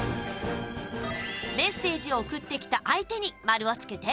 メッセージを送ってきた相手に丸をつけて。